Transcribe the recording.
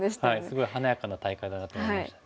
すごい華やかな大会だなと思いましたね。